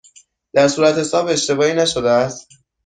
در صورتحساب اشتباهی نشده است؟